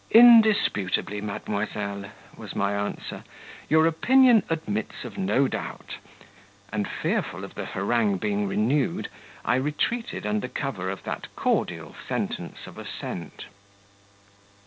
"Indisputably, mademoiselle," was my answer. "Your opinion admits of no doubt;" and, fearful of the harangue being renewed, I retreated under cover of that cordial sentence of assent.